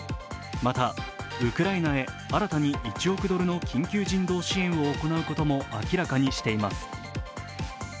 またウクライナへ新たに１億ドルの緊急人道支援を行うことも明らかにしています。